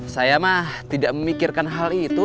saya mah tidak memikirkan hal itu